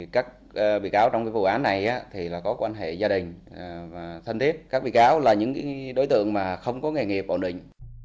các bị cáo trong vụ án này có quan hệ gia đình và thân thiết các bị cáo là những đối tượng mà không có nghề nghiệp ổn định